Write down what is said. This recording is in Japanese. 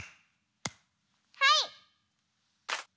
はい！